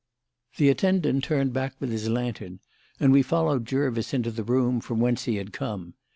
The attendant turned back with his lantern, and we followed Jervis into the room from whence he had come.